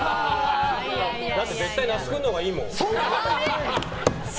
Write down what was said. だって絶対那須君のほうがいいもん。